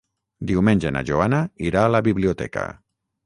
Diumenge na Joana irà a la biblioteca.